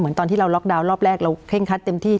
ตอนที่เราล็อกดาวน์รอบแรกเราเคร่งคัดเต็มที่